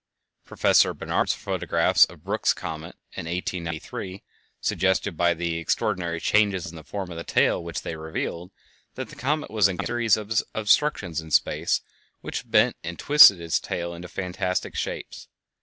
Professor Barnard's photographs of Brooks' comet in 1893 suggested, by the extraordinary changes in the form of the tail which they revealed, that the comet was encountering a series of obstructions in space which bent and twisted its tail into fantastic shapes.